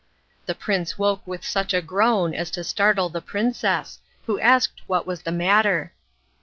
The prince woke with such a groan as to startle the princess, who asked what was the matter.